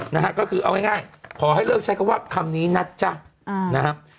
นะฮะก็คือเอาง่ายขอให้เลิกใช้คำว่าคำนี้นะจ๊ะนะครับ